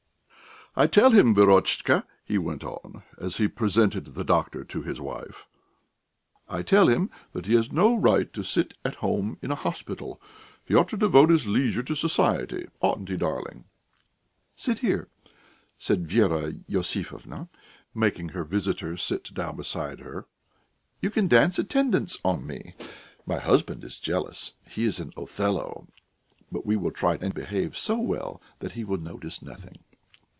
I tell him, Verotchka," he went on, as he presented the doctor to his wife "I tell him that he has no human right to sit at home in a hospital; he ought to devote his leisure to society. Oughtn't he, darling?" "Sit here," said Vera Iosifovna, making her visitor sit down beside her. "You can dance attendance on me. My husband is jealous he is an Othello; but we will try and behave so well that he will notice nothing."